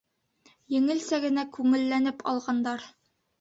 Еңелсә генә күңелләнеп алғандар.